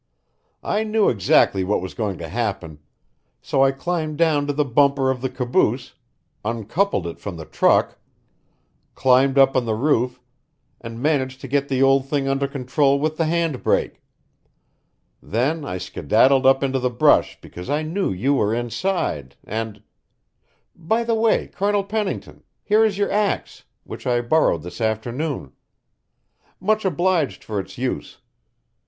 I knew exactly what was going to happen, so I climbed down to the bumper of the caboose, uncoupled it from the truck, climbed up on the roof, and managed to get the old thing under control with the hand brake; then I skedaddled up into the brush because I knew you were inside, and By the way, Colonel Pennington, here is your axe, which I borrowed this afternoon. Much obliged for its use.